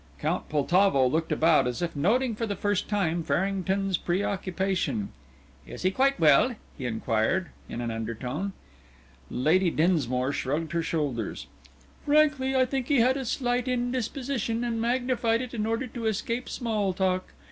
Count Poltavo looked about, as if noting for the first time Farrington's preoccupation. "Is he quite well?" he inquired, in an undertone. Lady Dinsmore shrugged her shoulders. "Frankly, I think he had a slight indisposition, and magnified it in order to escape small talk.